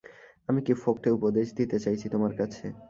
আমি কি ফোকটে উপদেশ চাইছি তোমার কাছে।